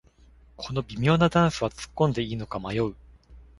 この微妙なダンスはつっこんでいいのか迷う